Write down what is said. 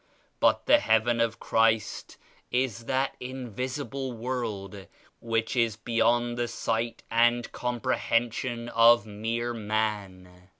But the ^Heaven' of Christ is that invisible world which is beyond the sight and comprehension of mere man.